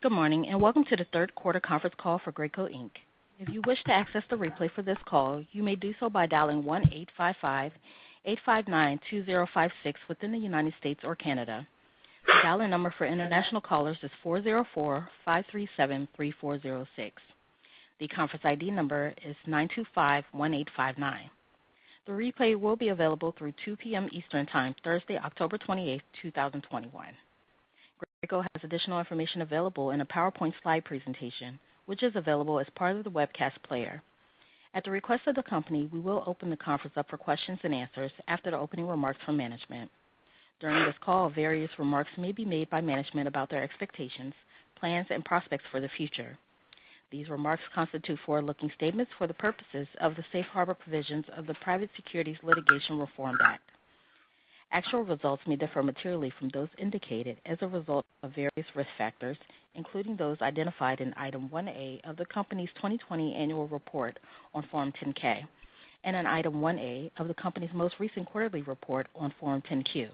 Good morning, and welcome to the third quarter conference call for Graco Inc. If you wish to access the replay for this call, you may do so by dialing 1-855-859-2056 within the United States or Canada. The dial-in number for international callers is 404-537-3406. The conference ID number is 9251859. The replay will be available through 2:00 P.M. Eastern Time, Thursday, October 28, 2021. Graco has additional information available in a PowerPoint slide presentation, which is available as part of the webcast player. At the request of the company, we will open the conference up for questions and answers after the opening remarks from management. During this call, various remarks may be made by management about their expectations, plans, and prospects for the future. These remarks constitute forward-looking statements for the purposes of the safe harbor provisions of the Private Securities Litigation Reform Act. Actual results may differ materially from those indicated as a result of various risk factors, including those identified in Item 1A of the company's 2020 annual report on Form 10-K and in Item 1A of the company's most recent quarterly report on Form 10-Q.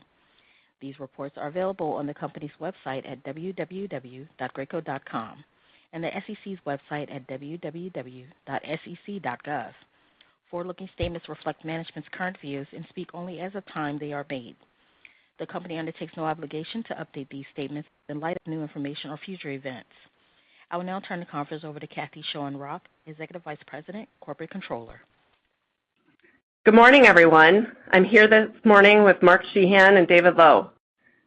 These reports are available on the company's website at www.graco.com and the SEC's website at www.sec.gov. Forward-looking statements reflect management's current views and speak only as of time they are made. The company undertakes no obligation to update these statements in light of new information or future events. I will now turn the conference over to Kathryn Schoenrock, Executive Vice President, Corporate Controller. Good morning, everyone. I'm here this morning with Mark Sheahan and David Lowe.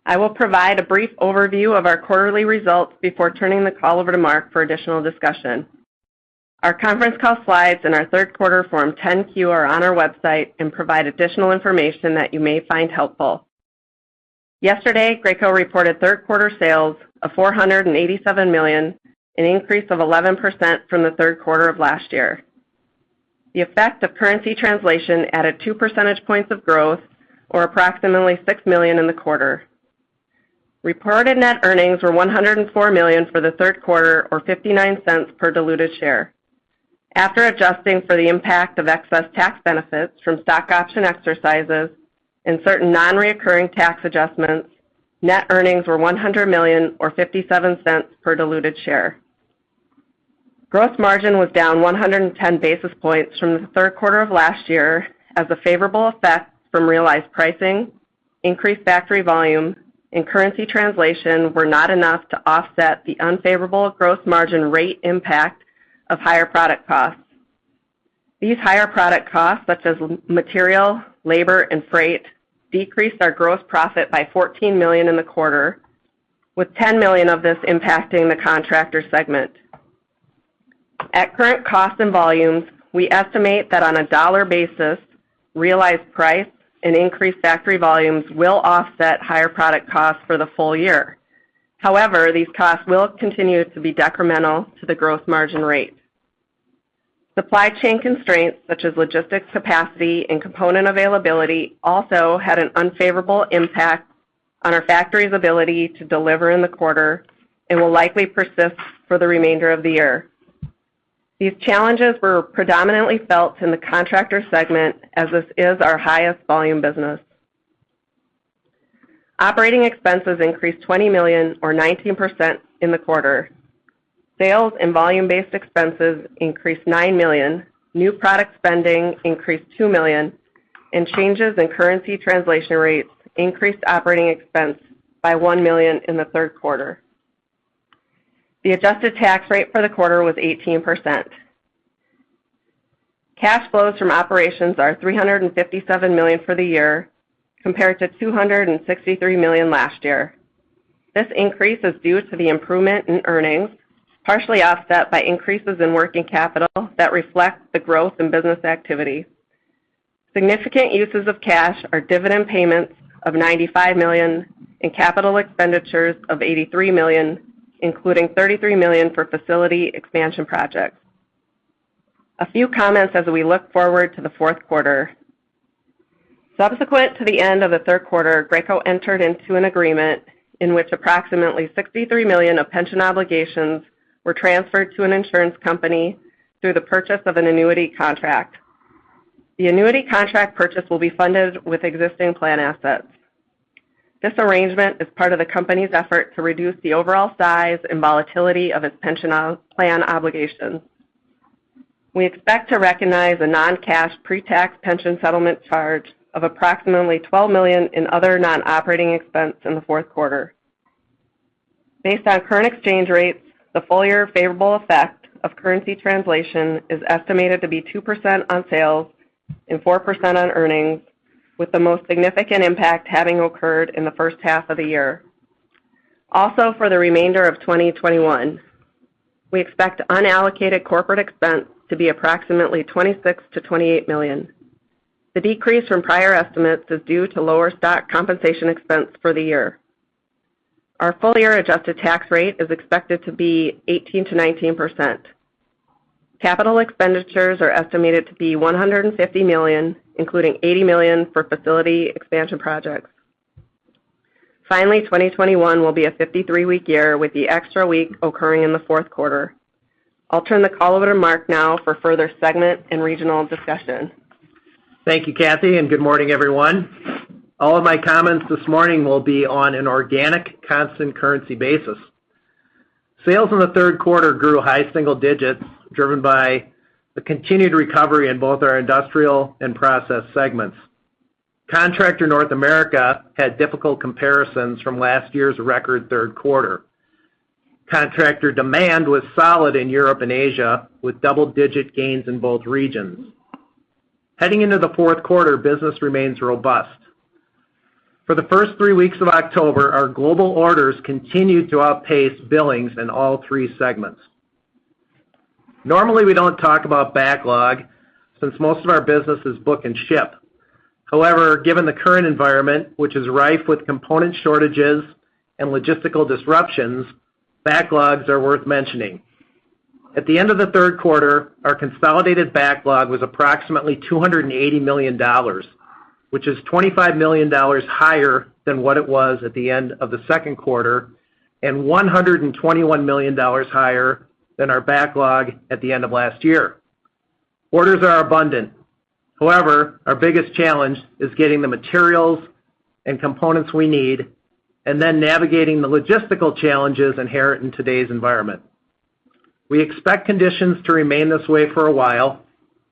I will provide a brief overview of our quarterly results before turning the call over to Mark for additional discussion. Our conference call slides and our third quarter Form 10-Q are on our website and provide additional information that you may find helpful. Yesterday, Graco reported third quarter sales of $487 million, an increase of 11% from the third quarter of last year. The effect of currency translation added 2 percentage points of growth, or approximately $6 million in the quarter. Reported net earnings were $104 million for the third quarter, or $0.59 per diluted share. After adjusting for the impact of excess tax benefits from stock option exercises and certain non-recurring tax adjustments, net earnings were $100 million or $0.57 per diluted share. Gross margin was down 110 basis points from the third quarter of last year as the favorable effects from realized pricing, increased factory volume, and currency translation were not enough to offset the unfavorable gross margin rate impact of higher product costs. These higher product costs, such as material, labor, and freight, decreased our gross profit by $14 million in the quarter, with $10 million of this impacting the Contractor segment. At current costs and volumes, we estimate that on a dollar basis, realized price and increased factory volumes will offset higher product costs for the full year. However, these costs will continue to be detrimental to the growth margin rate. Supply chain constraints, such as logistics capacity and component availability, also had an unfavorable impact on our factory's ability to deliver in the quarter and will likely persist for the remainder of the year. These challenges were predominantly felt in the Contractor segment, as this is our highest volume business. Operating expenses increased $20 million or 19% in the quarter. Sales and volume-based expenses increased $9 million, new product spending increased $2 million, Changes in currency translation rates increased operating expense by $1 million in the third quarter. The adjusted tax rate for the quarter was 18%. Cash flows from operations are $357 million for the year, compared to $263 million last year. This increase is due to the improvement in earnings, partially offset by increases in working capital that reflect the growth in business activity. Significant uses of cash are dividend payments of $95 million and capital expenditures of $83 million, including $33 million for facility expansion projects. A few comments as we look forward to the fourth quarter. Subsequent to the end of the third quarter, Graco entered into an agreement in which approximately $63 million of pension obligations were transferred to an insurance company through the purchase of an annuity contract. The annuity contract purchase will be funded with existing plan assets. This arrangement is part of the company's effort to reduce the overall size and volatility of its pension plan obligations. We expect to recognize a non-cash pre-tax pension settlement charge of approximately $12 million in other non-operating expense in the fourth quarter. Based on current exchange rates, the full-year favorable effect of currency translation is estimated to be 2% on sales and 4% on earnings, with the most significant impact having occurred in the first half of the year. Also, for the remainder of 2021, we expect unallocated corporate expense to be approximately $26 million-$28 million. The decrease from prior estimates is due to lower stock compensation expense for the year. Our full-year adjusted tax rate is expected to be 18%-19%. Capital expenditures are estimated to be $150 million, including $80 million for facility expansion projects. Finally, 2021 will be a 53-week year with the extra week occurring in the fourth quarter. I'll turn the call over to Mark now for further segment and regional discussion Thank you, Kathy, and good morning, everyone. All of my comments this morning will be on an organic, constant currency basis. Sales in the third quarter grew high single digits, driven by the continued recovery in both our Industrial and Process segments. Contractor North America had difficult comparisons from last year's record third quarter. Contractor demand was solid in Europe and Asia, with double-digit gains in both regions. Heading into the fourth quarter, business remains robust. For the first three weeks of October, our global orders continued to outpace billings in all three segments. Normally, we don't talk about backlog since most of our business is book and ship. However, given the current environment, which is rife with component shortages and logistical disruptions, backlogs are worth mentioning. At the end of the third quarter, our consolidated backlog was approximately $280 million, which is $25 million higher than what it was at the end of the second quarter, and $121 million higher than our backlog at the end of last year. Orders are abundant. However, our biggest challenge is getting the materials and components we need, and then navigating the logistical challenges inherent in today's environment. We expect conditions to remain this way for a while,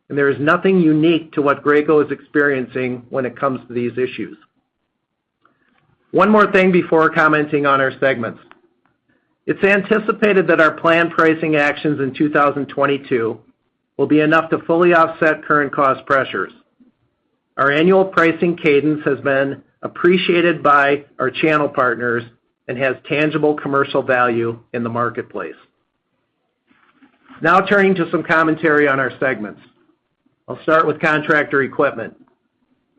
and there is nothing unique to what Graco is experiencing when it comes to these issues. One more thing before commenting on our segments. It's anticipated that our planned pricing actions in 2022 will be enough to fully offset current cost pressures. Our annual pricing cadence has been appreciated by our channel partners and has tangible commercial value in the marketplace. Now turning to some commentary on our segments. I'll start with Contractor Equipment.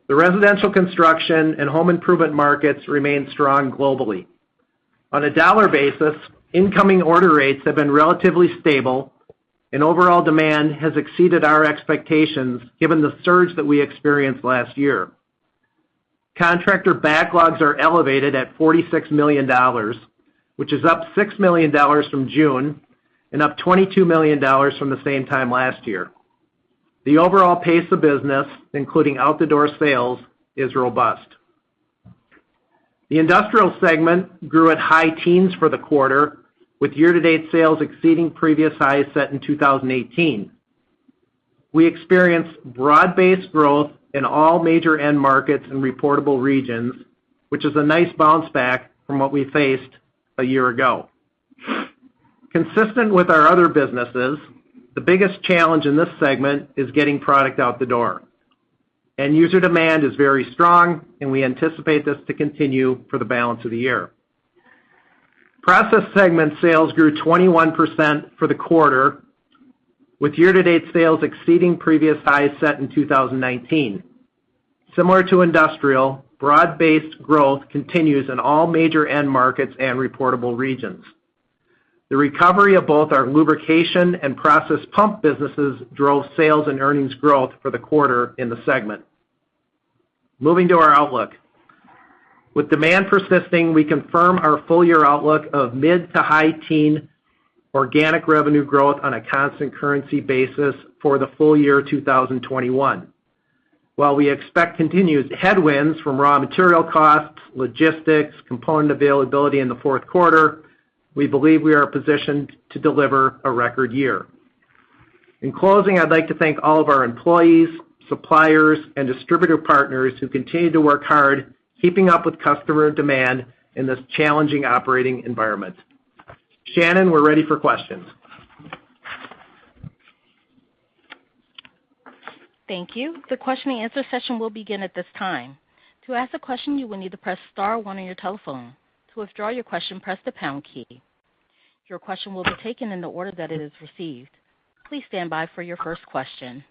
The residential construction and home improvement markets remain strong globally. On a dollar basis, incoming order rates have been relatively stable, and overall demand has exceeded our expectations given the surge that we experienced last year. Contractor backlogs are elevated at $46 million, which is up $6 million from June, and up $22 million from the same time last year. The overall pace of business, including out-the-door sales, is robust. The Industrial segment grew at high teens for the quarter, with year-to-date sales exceeding previous highs set in 2018. We experienced broad-based growth in all major end markets and reportable regions, which is a nice bounce back from what we faced a year ago. Consistent with our other businesses, the biggest challenge in this segment is getting product out the door. End user demand is very strong, and we anticipate this to continue for the balance of the year. Process segment sales grew 21% for the quarter, with year-to-date sales exceeding previous highs set in 2019. Similar to Industrial, broad-based growth continues in all major end markets and reportable regions. The recovery of both our lubrication and process pump businesses drove sales and earnings growth for the quarter in the segment. Moving to our outlook. With demand persisting, we confirm our full-year outlook of mid to high teen organic revenue growth on a constant currency basis for the full year 2021. While we expect continued headwinds from raw material costs, logistics, component availability in the fourth quarter, we believe we are positioned to deliver a record year. In closing, I'd like to thank all of our employees, suppliers, and distributor partners who continue to work hard keeping up with customer demand in this challenging operating environment. Shannon, we're ready for questions. Thank you. The question and answer session will begin at this time. To ask a question, you will need to press star one on your telephone. To withdraw your question, press the pound key. Your question will be taken in the order that it is received. Please stand by for your first question.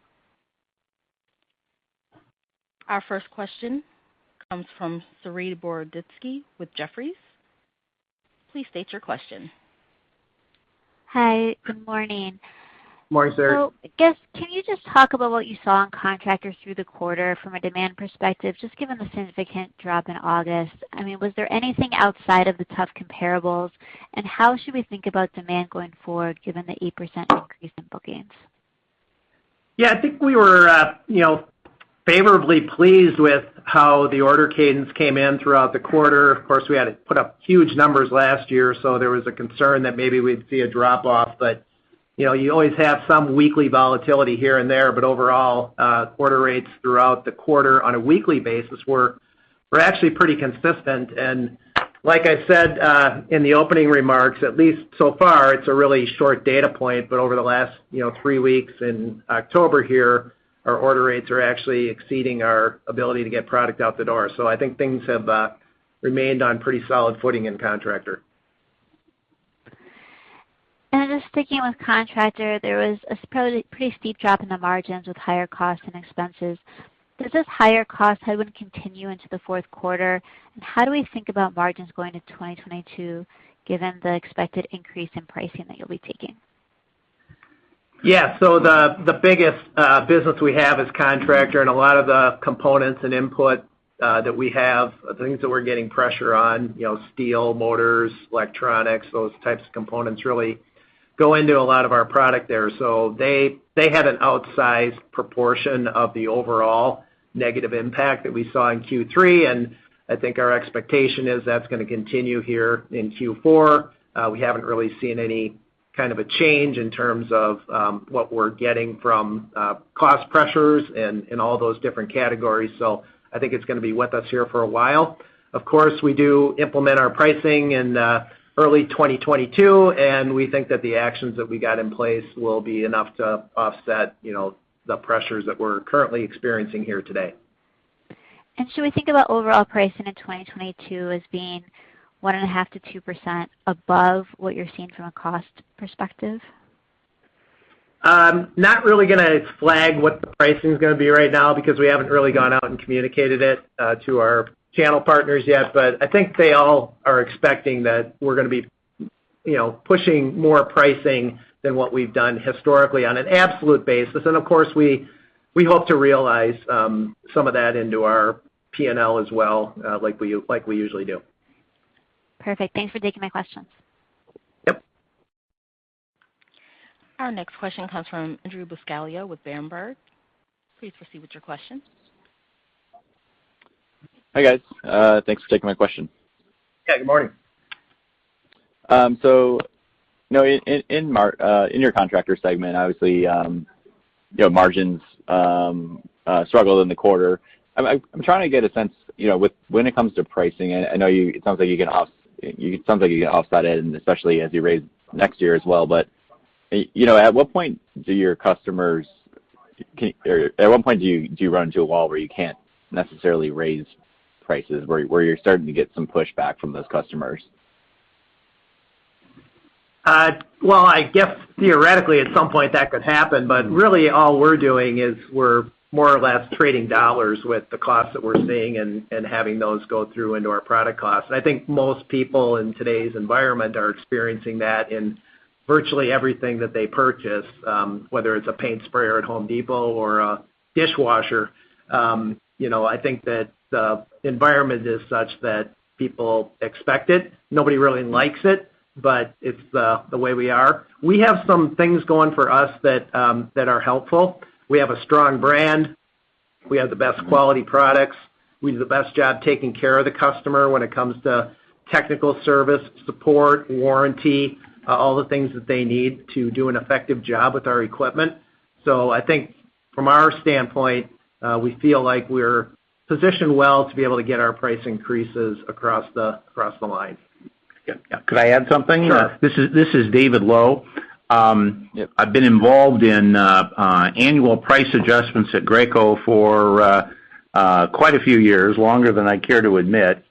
Our first question comes from Saree Boroditsky with Jefferies. Please state your question. Hi, good morning. Morning, Saree. I guess, can you just talk about what you saw in Contractor through the quarter from a demand perspective, just given the significant drop in August? Was there anything outside of the tough comparables, and how should we think about demand going forward given the 8% increase in bookings? Yeah, I think we were favorably pleased with how the order cadence came in throughout the quarter. Of course, we had put up huge numbers last year, so there was a concern that maybe we'd see a drop-off. You always have some weekly volatility here and there, but overall, order rates throughout the quarter on a weekly basis were actually pretty consistent. Like I said in the opening remarks, at least so far, it's a really short data point, but over the last three weeks in October here, our order rates are actually exceeding our ability to get product out the door. I think things have remained on pretty solid footing in Contractor. Just sticking with Contractor, there was a pretty steep drop in the margins with higher costs and expenses. Does this higher cost would continue into the fourth quarter, and how do we think about margins going to 2022 given the expected increase in pricing that you'll be taking? Yeah. The biggest business we have is Contractor, and a lot of the components and input that we have, the things that we're getting pressure on, steel, motors, electronics, those types of components really go into a lot of our product there. They had an outsized proportion of the overall negative impact that we saw in Q3, and I think our expectation is that's going to continue here in Q4. We haven't really seen any kind of a change in terms of what we're getting from cost pressures and all those different categories. I think it's going to be with us here for a while. Of course, we do implement our pricing in early 2022, and we think that the actions that we got in place will be enough to offset the pressures that we're currently experiencing here today. Should we think about overall pricing in 2022 as being 1.5%-2% above what you're seeing from a cost perspective? Not really going to flag what the pricing's going to be right now, because we haven't really gone out and communicated it to our channel partners yet. I think they all are expecting that we're going to be pushing more pricing than what we've done historically on an absolute basis. Of course, we hope to realize some of that into our P&L as well, like we usually do. Perfect. Thanks for taking my questions. Yep. Our next question comes from Andrew Buscaglia with Berenberg. Please proceed with your question. Hi, guys. Thanks for taking my question. Yeah, good morning. In your Contractor segment, obviously, margins struggled in the quarter. I'm trying to get a sense, when it comes to pricing, I know it sounds like you can offset it, and especially as you raise next year as well, but at what point do you run into a wall where you can't necessarily raise prices, where you're starting to get some pushback from those customers? I guess theoretically, at some point that could happen. Really all we're doing is we're more or less trading dollars with the costs that we're seeing and having those go through into our product costs. I think most people in today's environment are experiencing that in virtually everything that they purchase, whether it's a paint sprayer at Home Depot or a dishwasher. I think that the environment is such that people expect it. Nobody really likes it, but it's the way we are. We have some things going for us that are helpful. We have a strong brand. We have the best quality products. We do the best job taking care of the customer when it comes to technical service support, warranty, all the things that they need to do an effective job with our equipment. I think from our standpoint, we feel like we're positioned well to be able to get our price increases across the line. Yeah. Could I add something? Sure. This is David Lowe. Yep. I've been involved in annual price adjustments at Graco for quite a few years, longer than I care to admit.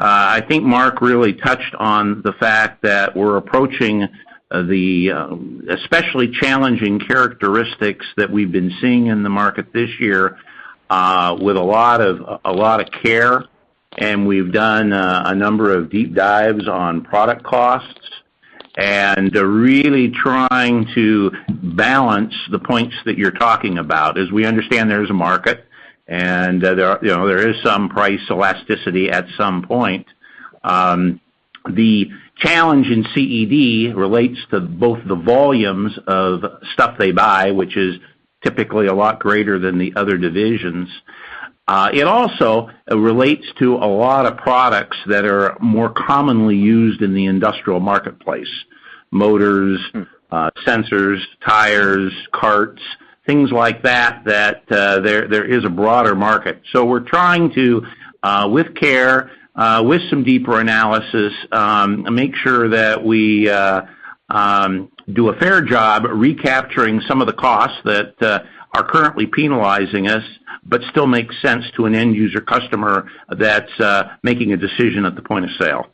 I think Mark really touched on the fact that we're approaching the especially challenging characteristics that we've been seeing in the market this year with a lot of care. We've done a number of deep dives on product costs, and really trying to balance the points that you're talking about, as we understand there's a market, and that there is some price elasticity at some point. The challenge in CED relates to both the volumes of stuff they buy, which is typically a lot greater than the other divisions. It also relates to a lot of products that are more commonly used in the industrial marketplace. Motors, sensors, tires, carts, things like that there is a broader market. We're trying to, with care, with some deeper analysis, make sure that we do a fair job recapturing some of the costs that are currently penalizing us, but still make sense to an end user customer that's making a decision at the point of sale.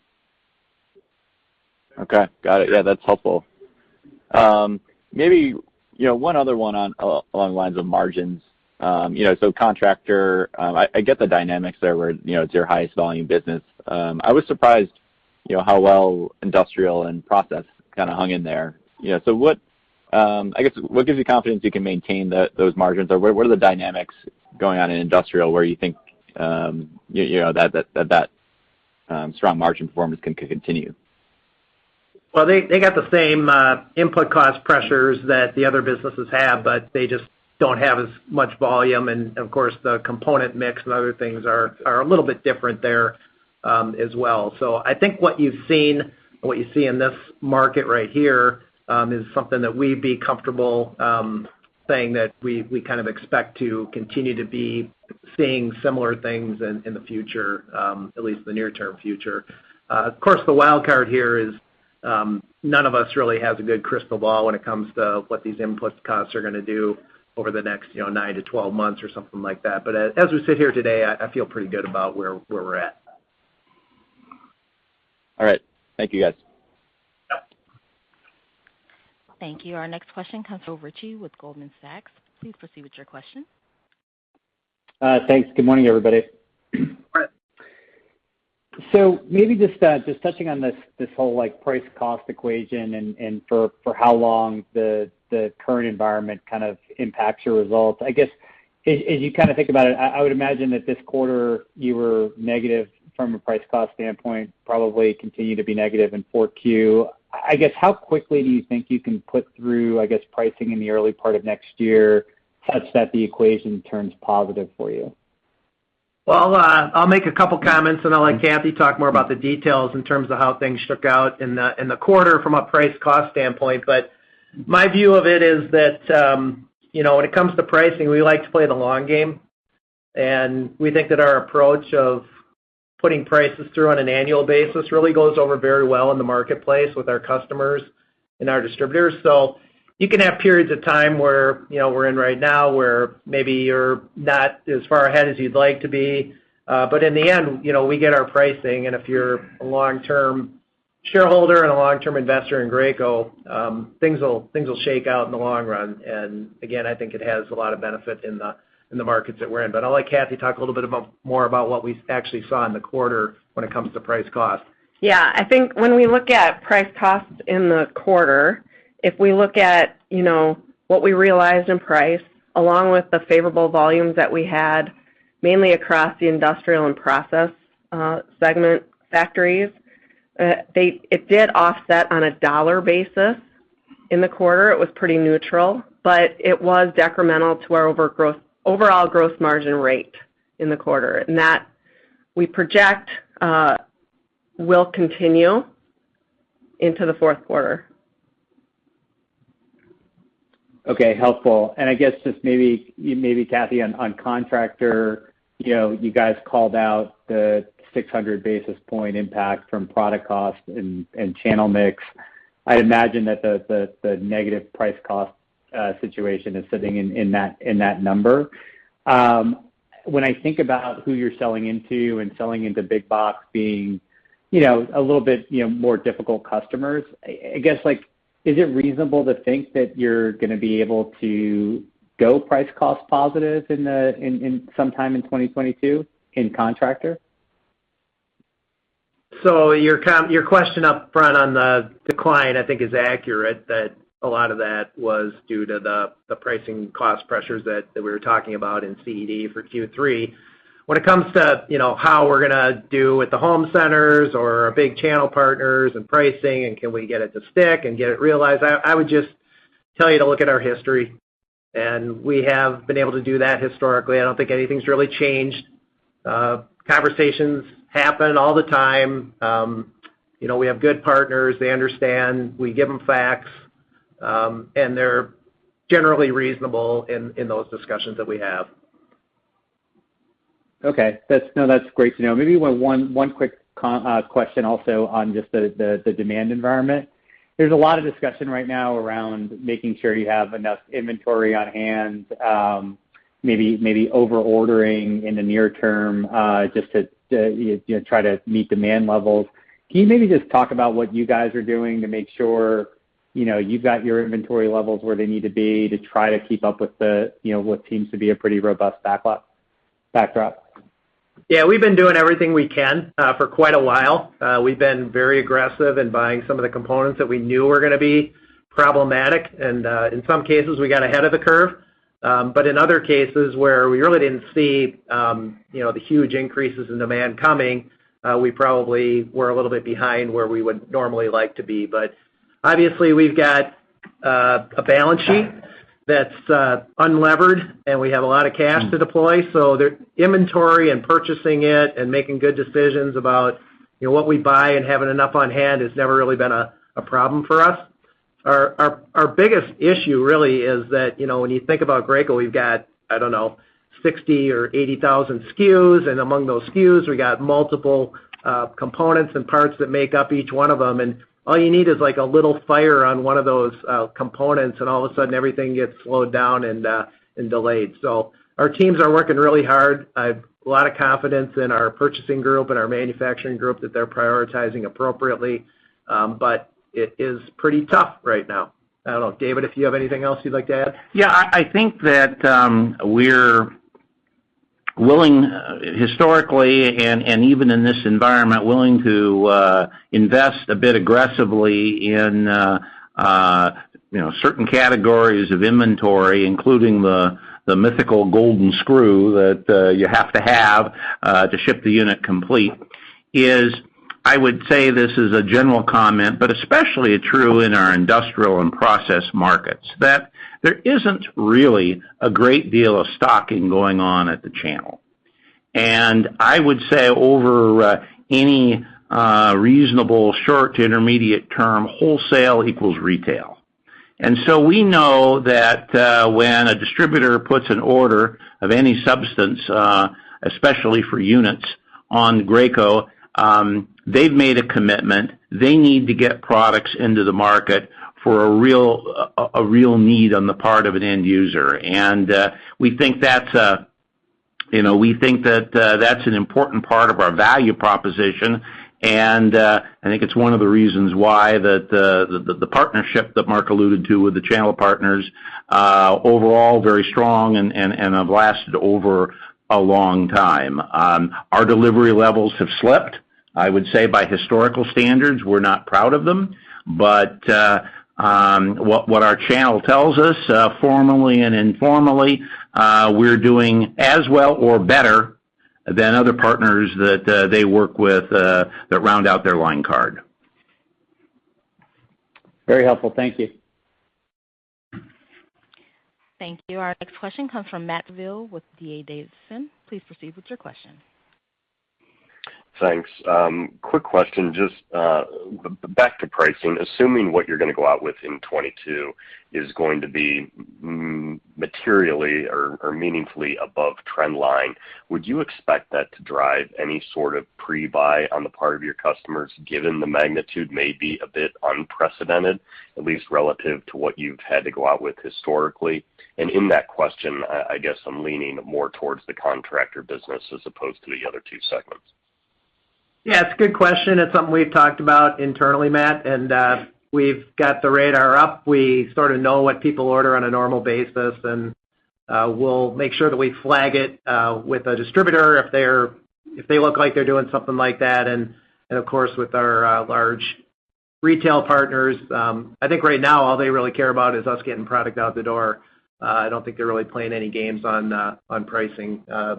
Okay. Got it. Yeah, that's helpful. Maybe one other one along the lines of margins. Contractor segment, I get the dynamics there where it's your highest volume business. I was surprised how well Industrial segment and Process segment kind of hung in there. I guess, what gives you confidence you can maintain those margins? Or what are the dynamics going on in Industrial segment where you think that strong margin performance can continue? They got the same input cost pressures that the other businesses have, but they just don't have as much volume, and, of course, the component mix and other things are a little bit different there as well. I think what you've seen, and what you see in this market right here, is something that we'd be comfortable saying that we kind of expect to continue to be seeing similar things in the future, at least the near-term future. Of course, the wild card here is none of us really has a good crystal ball when it comes to what these input costs are going to do over the next 9-12 months or something like that. As we sit here today, I feel pretty good about where we're at. All right. Thank you, guys. Yep. Thank you. Our next question comes from Joe Ritchie with Goldman Sachs. Please proceed with your question. Thanks. Good morning, everybody. Good morning. Maybe just touching on this whole price cost equation, and for how long the current environment kind of impacts your results. As you think about it, I would imagine that this quarter you were negative from a price cost standpoint, probably continue to be negative in 4Q. I guess, how quickly do you think you can put through, I guess, pricing in the early part of next year such that the equation turns positive for you? I'll make a couple of comments, and I'll let Kathy talk more about the details in terms of how things shook out in the quarter from a price cost standpoint. My view of it is that, when it comes to pricing, we like to play the long game, and we think that our approach of putting prices through on an annual basis really goes over very well in the marketplace with our customers and our distributors. You can have periods of time where we're in right now, where maybe you're not as far ahead as you'd like to be. In the end, we get our pricing, and if you're a long-term shareholder and a long-term investor in Graco, things will shake out in the long run. Again, I think it has a lot of benefit in the markets that we're in. I'll let Kathy talk a little bit more about what we actually saw in the quarter when it comes to price cost. Yeah. I think when we look at price costs in the quarter, if we look at what we realized in price, along with the favorable volumes that we had, mainly across the Industrial and Process segment factories, it did offset on a dollar basis. In the quarter, it was pretty neutral, but it was detrimental to our overall gross margin rate in the quarter. That we project will continue into the fourth quarter. Okay. Helpful. I guess just maybe, Kathy, on Contractor, you guys called out the 600 basis point impact from product cost and channel mix. I'd imagine that the negative price cost situation is sitting in that number. When I think about who you're selling into and selling into big box being a little bit more difficult customers, I guess like, is it reasonable to think that you're going to be able to go price cost positive sometime in 2022 in Contractor? Your question up front on the decline, I think is accurate, that a lot of that was due to the pricing cost pressures that we were talking about in CED for Q3. When it comes to how we're going to do with the home centers or our big channel partners and pricing, and can we get it to stick and get it realized, I would just tell you to look at our history, and we have been able to do that historically. I don't think anything's really changed. Conversations happen all the time. We have good partners. They understand. We give them facts, and they're generally reasonable in those discussions that we have. Okay. No, that's great to know. Maybe one quick question also on just the demand environment. There's a lot of discussion right now around making sure you have enough inventory on hand, maybe over-ordering in the near term, just to try to meet demand levels. Can you maybe just talk about what you guys are doing to make sure you've got your inventory levels where they need to be to try to keep up with what seems to be a pretty robust backdrop? Yeah. We've been doing everything we can for quite a while. We've been very aggressive in buying some of the components that we knew were going to be problematic. In some cases, we got ahead of the curve. In other cases where we really didn't see the huge increases in demand coming, we probably were a little bit behind where we would normally like to be. Obviously, we've got a balance sheet that's unlevered, and we have a lot of cash to deploy. The inventory and purchasing it and making good decisions about what we buy and having enough on hand has never really been a problem for us. Our biggest issue really is that, when you think about Graco, we've got, I don't know, 60,000 or 80,000 SKUs, and among those SKUs, we got multiple components and parts that make up each one of them. All you need is like a little fire on one of those components, and all of a sudden, everything gets slowed down and delayed. Our teams are working really hard. I have a lot of confidence in our purchasing group and our manufacturing group that they're prioritizing appropriately. It is pretty tough right now. I don't know, David, if you have anything else you'd like to add. Yeah. I think that we're willing historically, and even in this environment, willing to invest a bit aggressively in certain categories of inventory, including the mythical golden screw that you have to have to ship the unit complete, is I would say this as a general comment, but especially true in our Industrial and Process markets, that there isn't really a great deal of stocking going on at the channel. I would say over any reasonable short to intermediate term, wholesale equals retail. We know that when a distributor puts an order of any substance, especially for units on Graco, they've made a commitment. They need to get products into the market for a real need on the part of an end user. We think that that's an important part of our value proposition, and I think it's one of the reasons why the partnership that Mark alluded to with the channel partners, overall very strong and have lasted over a long time. Our delivery levels have slipped. I would say by historical standards, we're not proud of them, but what our channel tells us, formally and informally, we're doing as well or better than other partners that they work with that round out their line card. Very helpful. Thank you. Thank you. Our next question comes from Matt Summerville with D.A. Davidson. Please proceed with your question. Thanks. Quick question, just back to pricing. Assuming what you're going to go out with in 2022 is going to be materially or meaningfully above trend line, would you expect that to drive any sort of pre-buy on the part of your customers, given the magnitude may be a bit unprecedented, at least relative to what you've had to go out with historically? In that question, I guess I'm leaning more towards the Contractor segment as opposed to the other two segments. It's a good question. It's something we've talked about internally, Matt, and we've got the radar up. We sort of know what people order on a normal basis, and we'll make sure that we flag it with a distributor if they look like they're doing something like that. Of course, with our large retail partners, I think right now all they really care about is us getting product out the door. I don't think they're really playing any games on pricing. I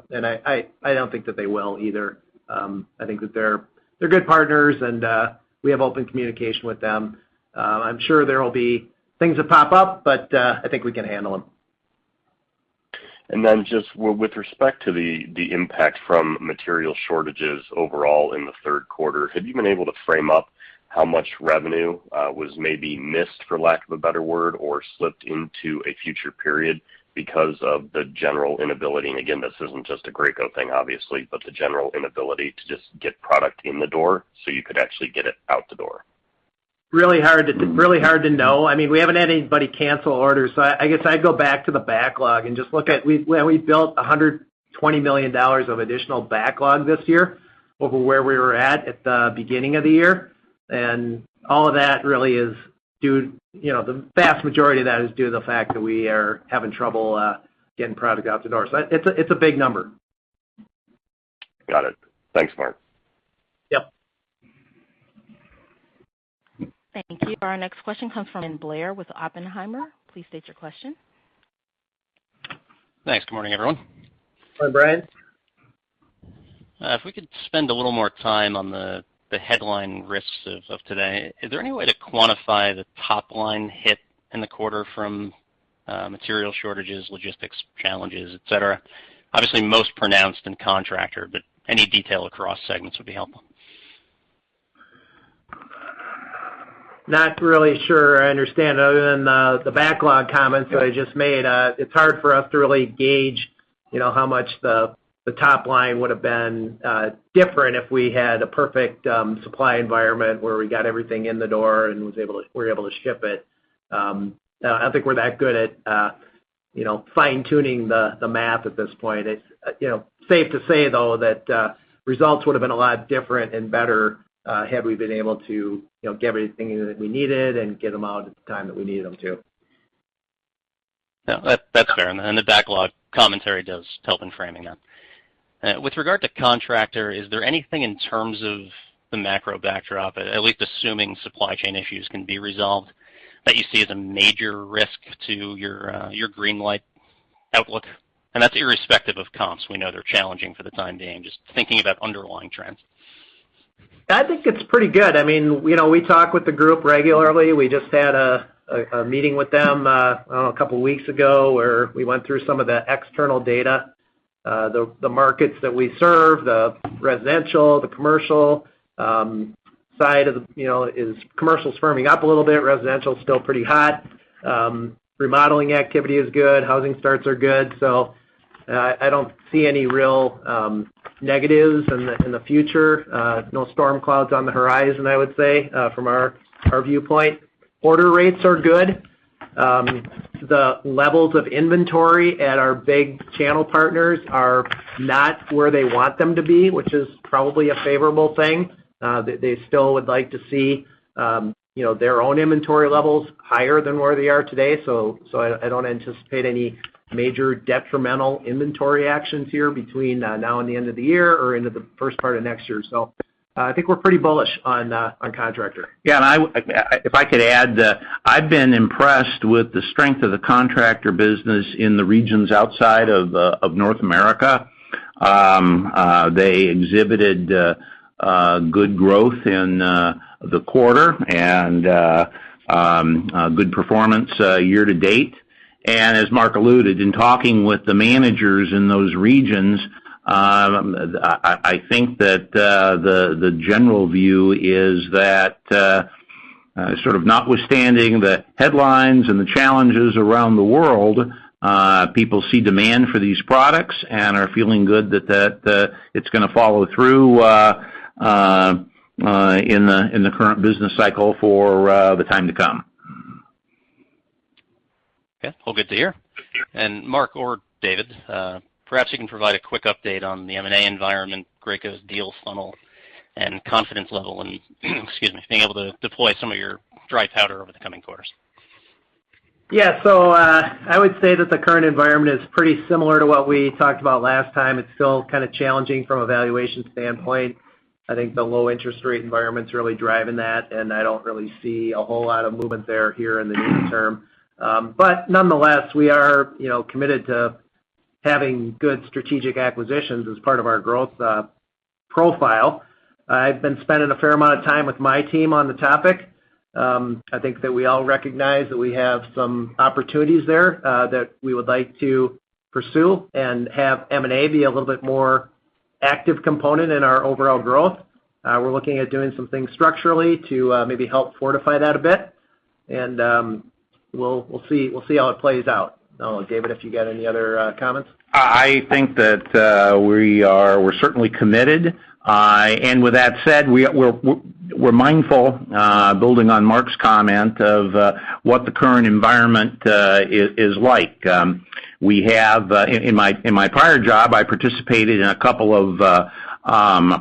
don't think that they will either. I think that they're good partners, and we have open communication with them. I'm sure there will be things that pop up, but I think we can handle them. Then just with respect to the impact from material shortages overall in the third quarter, have you been able to frame up how much revenue was maybe missed, for lack of a better word, or slipped into a future period because of the general inability, and again, this isn't just a Graco thing, obviously, but the general inability to just get product in the door so you could actually get it out the door? Really hard to know. We haven't had anybody cancel orders. I guess I'd go back to the backlog and just look at where we built $120 million of additional backlog this year over where we were at the beginning of the year. All of that really is due, the vast majority of that is due to the fact that we are having trouble getting product out the door. It's a big number. Got it. Thanks, Mark. Yep. Thank you. Our next question comes from Blair with Oppenheimer. Please state your question. Thanks. Good morning, everyone. Hi, Bryan. If we could spend a little more time on the headline risks of today, is there any way to quantify the top-line hit in the quarter from material shortages, logistics challenges, et cetera? Obviously, most pronounced in Contractor, but any detail across segments would be helpful. Not really sure I understand. Other than the backlog comments that I just made, it's hard for us to really gauge how much the top line would've been different if we had a perfect supply environment where we got everything in the door and we were able to ship it. I don't think we're that good at fine-tuning the math at this point. It's safe to say, though, that results would've been a lot different and better, had we been able to get everything that we needed and get them out at the time that we needed them to. No, that's fair. The backlog commentary does help in framing that. With regard to Contractor, is there anything in terms of the macro backdrop, at least assuming supply chain issues can be resolved, that you see as a major risk to your green light outlook? That's irrespective of comps. We know they're challenging for the time being, just thinking about underlying trends. I think it's pretty good. We talk with the group regularly. We just had a meeting with them two weeks ago where we went through some of the external data. The markets that we serve, the residential, the commercial side. Commercial's firming up 1 little bit. Residential's still pretty hot. Remodeling activity is good. Housing starts are good. I don't see any real negatives in the future. No storm clouds on the horizon, I would say, from our viewpoint. Order rates are good. The levels of inventory at our big channel partners are not where they want them to be, which is probably a favorable thing. They still would like to see their own inventory levels higher than where they are today. I don't anticipate any major detrimental inventory actions here between now and the end of the year or into the first part of next year. I think we're pretty bullish on Contractor. Yeah. If I could add, I've been impressed with the strength of the Contractor business in the regions outside of North America. They exhibited good growth in the quarter and good performance year to date. As Mark alluded, in talking with the managers in those regions, I think that the general view is that sort of notwithstanding the headlines and the challenges around the world, people see demand for these products and are feeling good that it's going to follow through in the current business cycle for the time to come. Okay. Well, good to hear. Mark or David, perhaps you can provide a quick update on the M&A environment, Graco's deal funnel, and confidence level in excuse me, being able to deploy some of your dry powder over the coming quarters. Yeah. I would say that the current environment is pretty similar to what we talked about last time. It's still kind of challenging from a valuation standpoint. I think the low interest rate environment's really driving that, and I don't really see a whole lot of movement there here in the near term. Nonetheless, we are committed to having good strategic acquisitions as part of our growth profile. I've been spending a fair amount of time with my team on the topic. I think that we all recognize that we have some opportunities there that we would like to pursue and have M&A be a little bit more active component in our overall growth. We're looking at doing some things structurally to maybe help fortify that a bit. We'll see how it plays out. I don't know, David, if you got any other comments. I think that we're certainly committed. With that said, we're mindful, building on Mark's comment of what the current environment is like. In my prior job, I participated in a couple of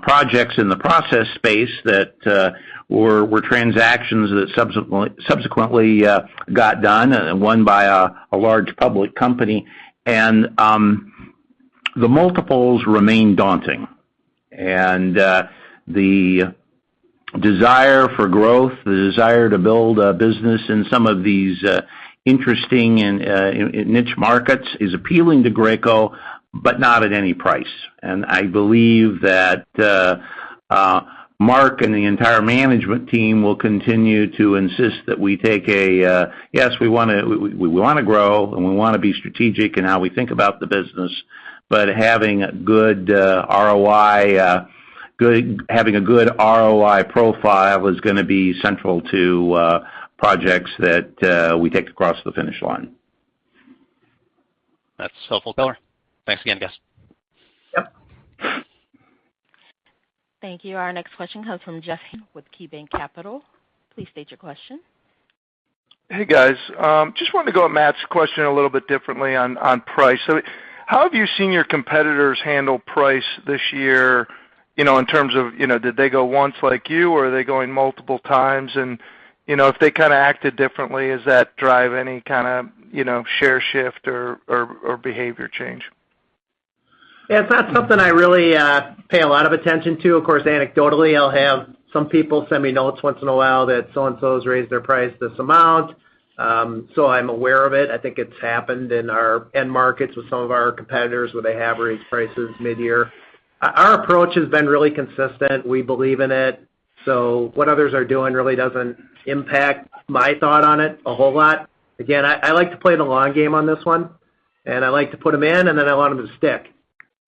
projects in the process space that were transactions that subsequently got done, and one by a large public company. The multiples remain daunting. The desire for growth, the desire to build a business in some of these interesting and niche markets is appealing to Graco, but not at any price. I believe that Mark and the entire management team will continue to insist that we take a, yes, we want to grow and we want to be strategic in how we think about the business, but having a good ROI profile is going to be central to projects that we take across the finish line. That's helpful color. Thanks again, guys. Yep. Thank you. Our next question comes from Jeff with KeyBanc Capital. Please state your question. Hey, guys. Just wanted to go at Matt's question a little bit differently on price. How have you seen your competitors handle price this year, in terms of did they go once like you, or are they going multiple times? If they kind of acted differently, does that drive any kind of share shift or behavior change? Yeah. It's not something I really pay a lot of attention to. Of course, anecdotally, I'll have some people send me notes once in a while that so-and-so's raised their price this amount. I'm aware of it. I think it's happened in our end markets with some of our competitors where they have raised prices mid-year. Our approach has been really consistent. We believe in it. What others are doing really doesn't impact my thought on it a whole lot. Again, I like to play the long game on this one, and I like to put them in, and then I want them to stick.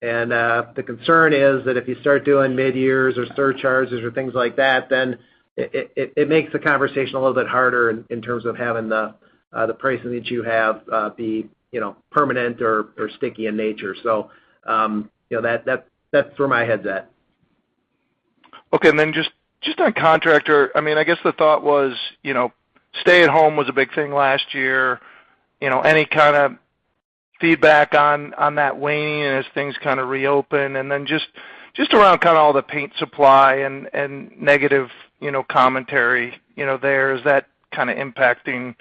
The concern is that if you start doing mid-years or surcharges or things like that, then it makes the conversation a little bit harder in terms of having the pricing that you have be permanent or sticky in nature. That's where my head's at. Okay. Just on Contractor, I guess the thought was, stay at home was a big thing last year. Any kind of feedback on that waning as things kind of reopen? Just around kind of all the paint supply and negative commentary there, is that kind of impacting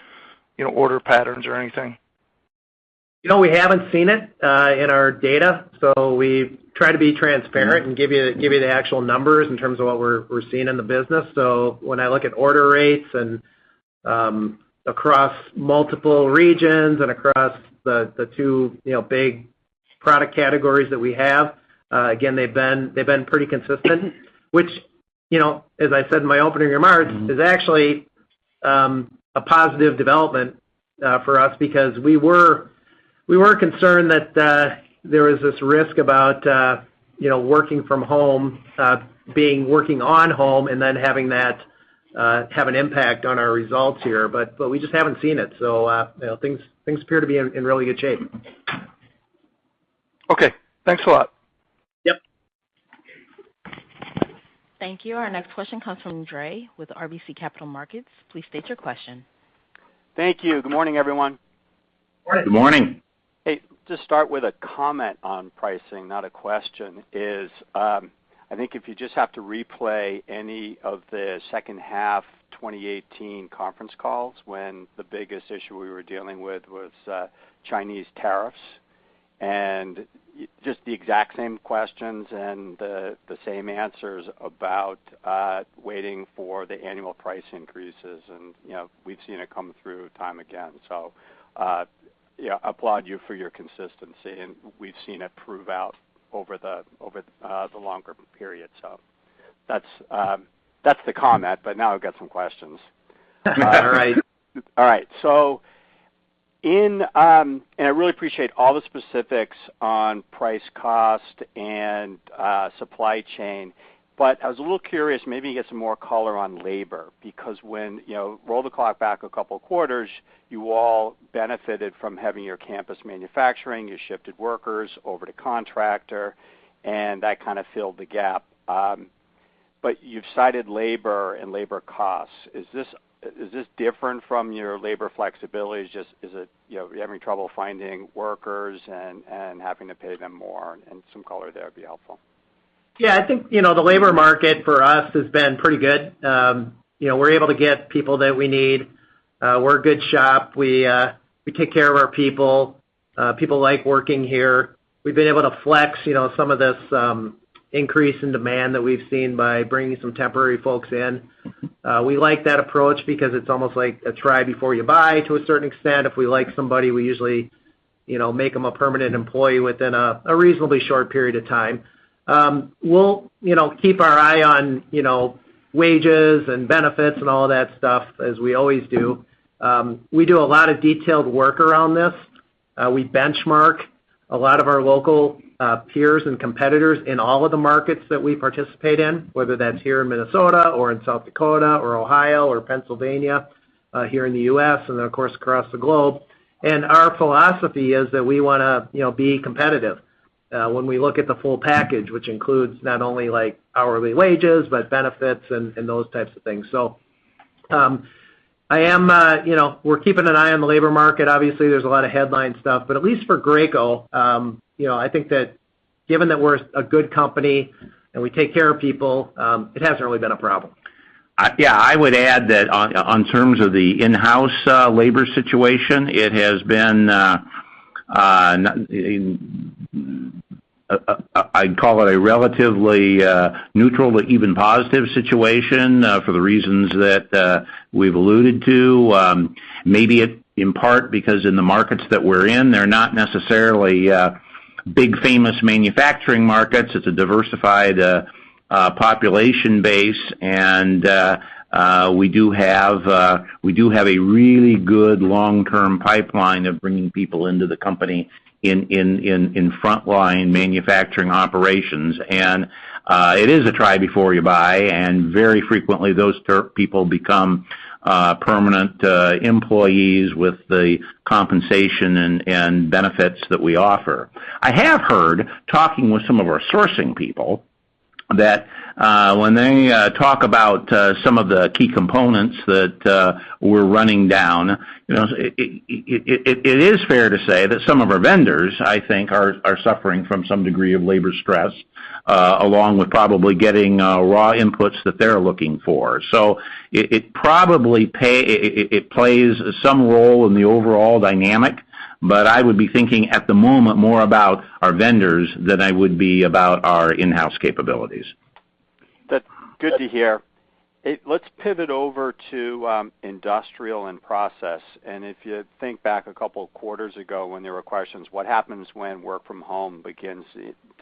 order patterns or anything? We haven't seen it in our data. We try to be transparent and give you the actual numbers in terms of what we're seeing in the business. When I look at order rates and across multiple regions and across the two big product categories that we have, again, they've been pretty consistent, which as I said in my opening remarks, is actually a positive development for us because we were concerned that there was this risk about working from home, being working on home, and then having that have an impact on our results here. We just haven't seen it. Things appear to be in really good shape. Okay. Thanks a lot. Yep. Thank you. Our next question comes from Deane Dray with RBC Capital Markets. Please state your question. Thank you. Good morning, everyone. Good morning. Good morning. Hey, just start with a comment on pricing, not a question, is I think if you just have to replay any of the second half 2018 conference calls when the biggest issue we were dealing with was Chinese tariffs, and just the exact same questions and the same answers about waiting for the annual price increases. We've seen it come through time again. Yeah, applaud you for your consistency, and we've seen it prove out over the longer period. That's the comment, but now I've got some questions. All right. All right. I really appreciate all the specifics on price cost and supply chain. I was a little curious, maybe you could give some more color on labor, because when, roll the clock back a couple quarters, you all benefited from having your campus manufacturing. You shifted workers over to Contractor, that kind of filled the gap. You've cited labor and labor costs. Is this different from your labor flexibility? Is it you're having trouble finding workers and having to pay them more? Some color there would be helpful. Yeah, I think, the labor market for us has been pretty good. We're able to get people that we need. We're a good shop. We take care of our people. People like working here. We've been able to flex some of this increase in demand that we've seen by bringing some temporary folks in. We like that approach because it's almost like a try before you buy, to a certain extent. If we like somebody, we usually make them a permanent employee within a reasonably short period of time. We'll keep our eye on wages and benefits and all that stuff as we always do. We do a lot of detailed work around this. We benchmark a lot of our local peers and competitors in all of the markets that we participate in, whether that's here in Minnesota or in South Dakota or Ohio or Pennsylvania, here in the U.S., then of course, across the globe. Our philosophy is that we want to be competitive when we look at the full package, which includes not only hourly wages, but benefits and those types of things. We're keeping an eye on the labor market. Obviously, there's a lot of headline stuff, at least for Graco, I think that given that we're a good company and we take care of people, it hasn't really been a problem. Yeah. I would add that on terms of the in-house labor situation, it has been, I'd call it a relatively neutral to even positive situation for the reasons that we've alluded to. Maybe in part because in the markets that we're in, they're not necessarily big famous manufacturing markets. It's a diversified population base. We do have a really good long-term pipeline of bringing people into the company in frontline manufacturing operations. It is a try before you buy, and very frequently, those people become permanent employees with the compensation and benefits that we offer. I have heard, talking with some of our sourcing people, that when they talk about some of the key components that we're running down, it is fair to say that some of our vendors, I think, are suffering from some degree of labor stress, along with probably getting raw inputs that they're looking for. It probably plays some role in the overall dynamic, but I would be thinking at the moment more about our vendors than I would be about our in-house capabilities. That's good to hear. Let's pivot over to Industrial and Process. If you think back a couple of quarters ago when there were questions, what happens when work from home begins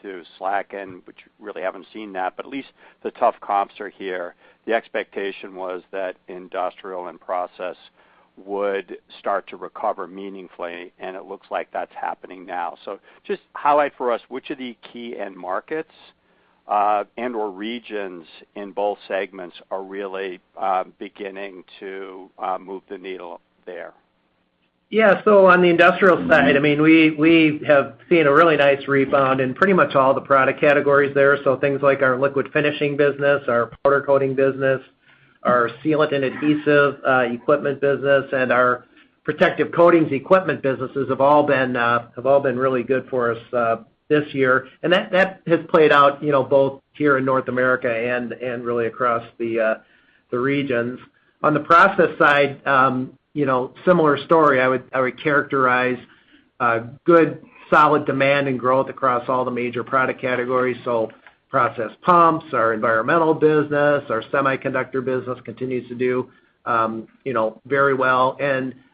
to slacken? You really haven't seen that, but at least the tough comps are here. The expectation was that Industrial and Process would start to recover meaningfully, and it looks like that's happening now. Just highlight for us which of the key end markets, and/or regions in both segments are really beginning to move the needle there. Yeah. On the Industrial segment side, we have seen a really nice rebound in pretty much all the product categories there. Things like our liquid finishing business, our powder coating business, our sealant and adhesive equipment business, and our protective coatings equipment businesses have all been really good for us this year. That has played out both here in North America and really across the regions. On the Process segment side, similar story. I would characterize a good, solid demand and growth across all the major product categories. Process pumps, our environmental business, our semiconductor business continues to do very well.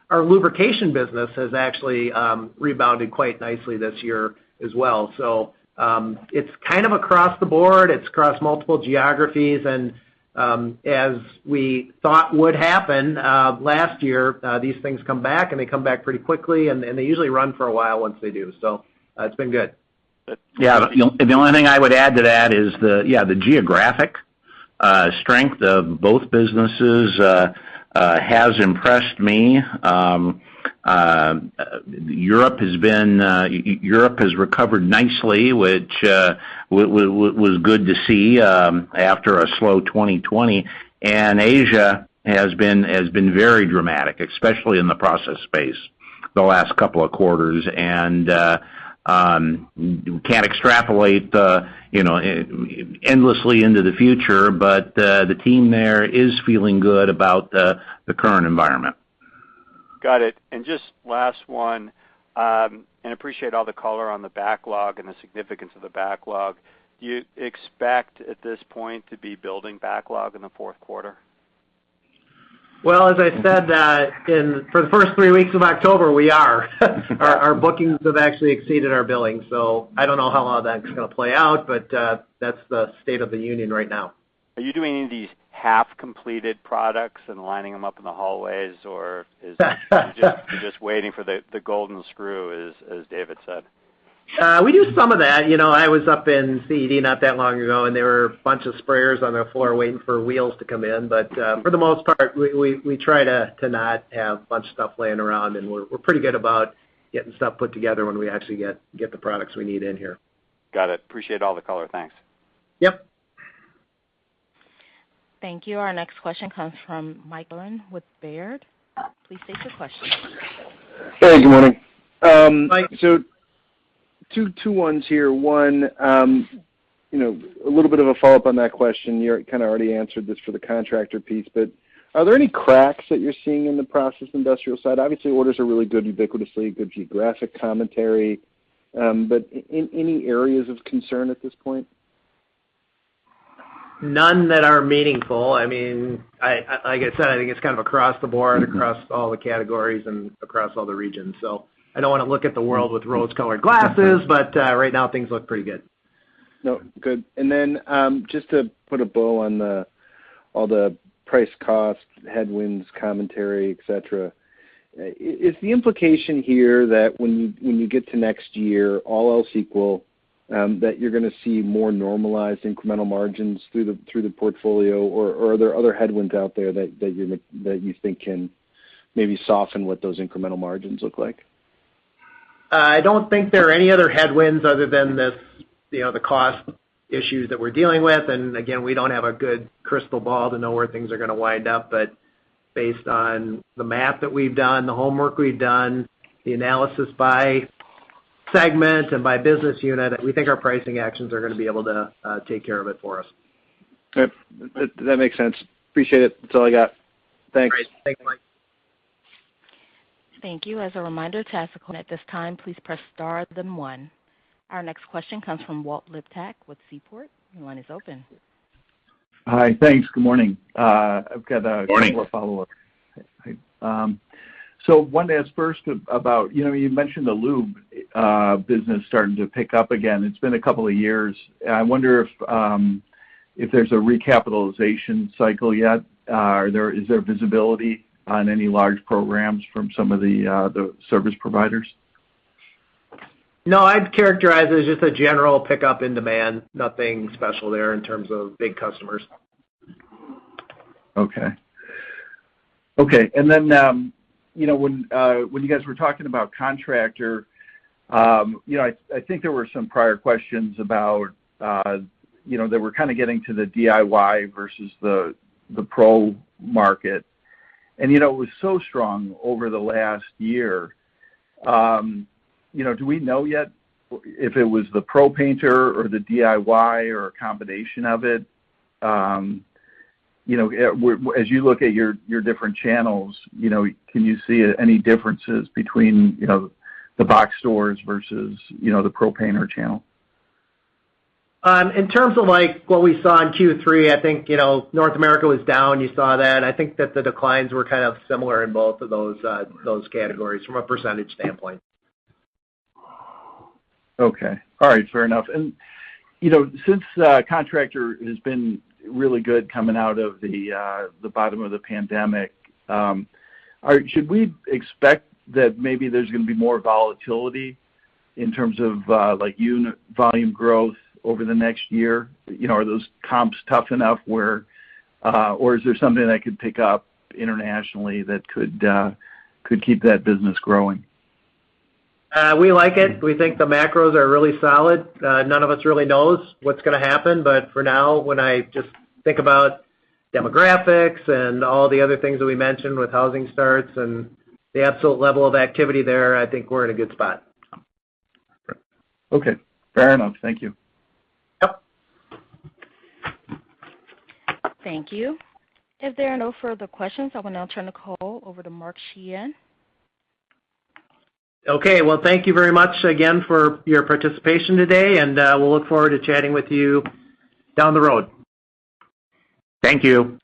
Our lubrication business has actually rebounded quite nicely this year as well. It's kind of across the board. It's across multiple geographies, and as we thought would happen last year, these things come back, and they come back pretty quickly, and they usually run for a while once they do. It's been good. Yeah. The only thing I would add to that is, the geographic strength of both businesses has impressed me. Europe has recovered nicely, which was good to see after a slow 2020. Asia has been very dramatic, especially in the Process segment the last couple of quarters. You can't extrapolate endlessly into the future, but the team there is feeling good about the current environment. Got it. Just last one, and appreciate all the color on the backlog and the significance of the backlog. Do you expect at this point to be building backlog in the fourth quarter? As I said, for the first three weeks of October, we are. Our bookings have actually exceeded our billing. I don't know how long that's going to play out, but that's the state of the union right now. Are you doing any of these half-completed products and lining them up in the hallways, or you're just waiting for the golden screw, as David said? We do some of that. I was up in CED not that long ago, and there were a bunch of sprayers on their floor waiting for wheels to come in. For the most part, we try to not have a bunch of stuff laying around, and we're pretty good about getting stuff put together when we actually get the products we need in here. Got it. Appreciate all the color. Thanks. Yep. Thank you. Our next question comes from Mike Halloran with Baird. Please state your question. Hey, good morning. Mike. Two here. One, a little bit of a follow-up on that question. You kind of already answered this for the Contractor segment, are there any cracks that you're seeing in the Process Industrial side? Obviously, orders are really good ubiquitously, good geographic commentary, any areas of concern at this point? None that are meaningful. Like I said, I think it's kind of across the board, across all the categories, and across all the regions. I don't want to look at the world with rose-colored glasses, but right now things look pretty good. No, good. Then, just to put a bow on all the price cost headwinds commentary, et cetera, is the implication here that when you get to next year, all else equal, that you're going to see more normalized incremental margins through the portfolio or are there other headwinds out there that you think can maybe soften what those incremental margins look like? I don't think there are any other headwinds other than the cost issues that we're dealing with. Again, we don't have a good crystal ball to know where things are going to wind up. Based on the math that we've done, the homework we've done, the analysis by segment and by business unit, we think our pricing actions are going to be able to take care of it for us. Okay. That makes sense. Appreciate it. That's all I got. Thanks. Great. Thanks, Mike. Thank you. As a reminder to ask a question at this time, please press star then one. Our next question comes from Walter Liptak with Seaport. Your line is open. Hi. Thanks. Good morning. Good morning. I've got a couple of follow-ups. Wanted to ask first about, you mentioned the lube business starting to pick up again. It's been a couple of years. I wonder if there's a recapitalization cycle yet. Is there visibility on any large programs from some of the service providers? No, I'd characterize it as just a general pickup in demand. Nothing special there in terms of big customers. Okay. When you guys were talking about Contractor, I think there were some prior questions about that were kind of getting to the DIY versus the pro market. It was so strong over the last year. Do we know yet if it was the pro painter or the DIY or a combination of it? As you look at your different channels, can you see any differences between the box stores versus the pro painter channel? In terms of what we saw in Q3, I think North America was down. You saw that. I think that the declines were kind of similar in both of those categories from a percentage standpoint. Okay. All right, fair enough. Since Contractor has been really good coming out of the bottom of the pandemic, should we expect that maybe there's going to be more volatility in terms of unit volume growth over the next year? Are those comps tough enough or is there something that could pick up internationally that could keep that business growing? We like it. We think the macros are really solid. None of us really knows what's going to happen, but for now, when I just think about demographics and all the other things that we mentioned with housing starts and the absolute level of activity there, I think we're in a good spot. Okay, fair enough. Thank you. Yep. Thank you. If there are no further questions, I will now turn the call over to Mark Sheahan. Okay. Well, thank you very much again for your participation today, and we'll look forward to chatting with you down the road. Thank you.